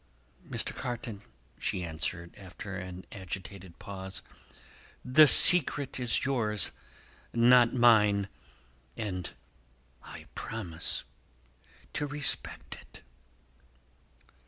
"Mr. Carton," she answered, after an agitated pause, "the secret is yours, not mine; and I promise to respect it."